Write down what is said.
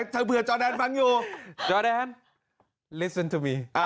เธอเผื่อจอดแดนฟังอยู่